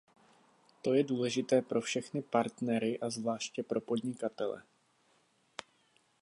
To je důležité pro všechny partnery, a zvláště pro podnikatele.